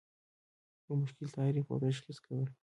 د مشکل تعریف او تشخیص کول.